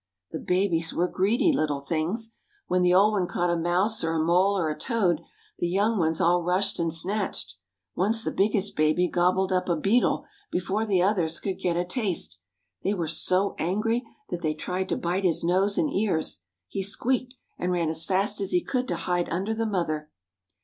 The babies were greedy little things. When the old one caught a mouse or a mole or a toad, the young ones all rushed and snatched. Once the biggest baby gobbled up a beetle before the others could get a taste. They were so angry that they tried to bite his nose and ears. He squeaked, and ran as fast as he could to hide under the mother.